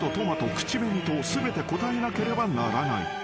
口紅と全て答えなければならない］